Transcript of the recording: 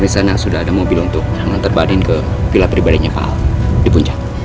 saya bener bener gak tau